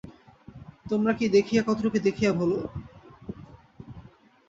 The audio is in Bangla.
তোমরা কী দেখিয়া, কতটুকু দেখিয়া ভোল।